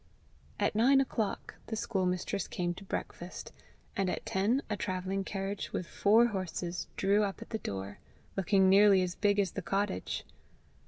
At nine o'clock the schoolmistress came to breakfast, and at ten a travelling carriage with four horses drew up at the door, looking nearly as big as the cottage.